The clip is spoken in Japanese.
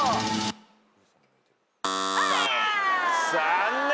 残念。